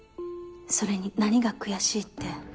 それに何が悔しいって。